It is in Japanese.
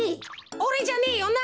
おれじゃねえよな？